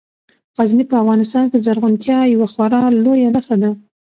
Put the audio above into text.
غزني په افغانستان کې د زرغونتیا یوه خورا لویه نښه ده.